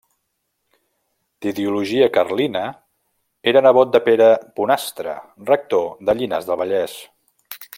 D'ideologia carlina, era nebot de Pere Bonastre, rector de Llinars del Vallès.